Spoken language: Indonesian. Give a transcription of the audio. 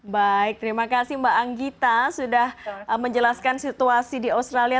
baik terima kasih mbak anggita sudah menjelaskan situasi di australia